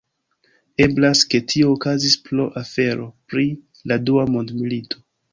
Eblas ke tio okazis pro afero pri la Dua Mondmilito.